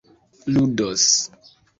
ludos